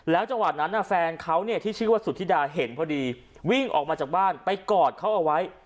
จังหวะนั้นแฟนเขาเนี่ยที่ชื่อว่าสุธิดาเห็นพอดีวิ่งออกมาจากบ้านไปกอดเขาเอาไว้